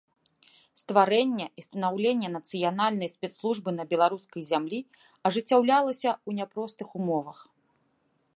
Стварэнне і станаўленне нацыянальнай спецслужбы на беларускай зямлі ажыццяўлялася ў няпростых умовах.